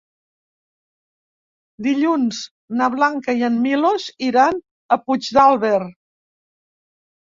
Dilluns na Blanca i en Milos iran a Puigdàlber.